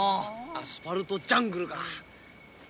「アスファルト・ジャングル」か。